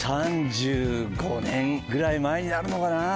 ３５年ぐらい前になるのかな？